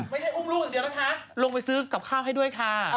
ไม่ใช่อุ้มลูกอย่างเดียวนะคะลงไปซื้อกับข้าวให้ด้วยค่ะ